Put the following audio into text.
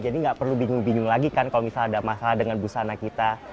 jadi gak perlu bingung bingung lagi kan kalau misalnya ada masalah dengan busana kita